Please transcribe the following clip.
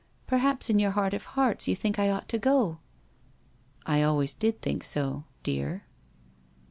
Perhaps in your heart of hearts, you think I ought to go ?'' I always did think so — dear.'